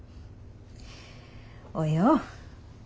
およ。